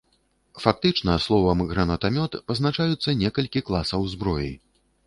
Фактычна словам гранатамёт пазначаюцца некалькі класаў зброі.